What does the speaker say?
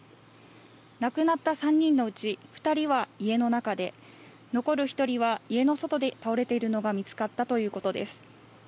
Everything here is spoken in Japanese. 亡くなった３人のうち２人は家の中で残る１人は家の外で倒れているのが見つかったということです。